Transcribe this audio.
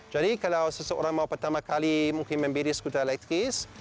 jadi kalau seseorang mau pertama kali mungkin membeli skuter elektris